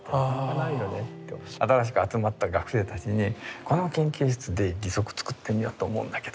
新しく集まった学生たちに「この研究室で義足作ってみようと思うんだけど」